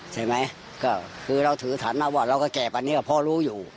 ใช่ไหมก็คือเราถือถันมาว่าเราก็แก่ปันนี้ก็พอรู้อยู่